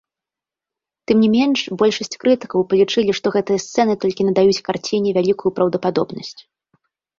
Тым не менш, большасць крытыкаў палічылі, што гэтыя сцэны толькі надаюць карціне вялікую праўдападобнасць.